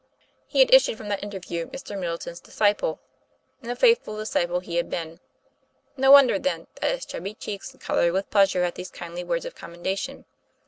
He had issued from that interview Mr. Middle ton's disciple; and a faithful disciple he had been. No wonder, then, that his chubby cheeks colored with pleasure at these kindly words of commenda tion.